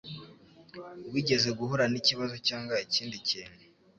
Wigeze guhura nikibazo cyangwa ikindi kintu?